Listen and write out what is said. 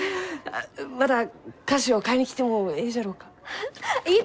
また菓子を買いに来てもえいじゃろうか？